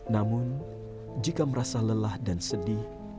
namun jika merasa lelah dan sedih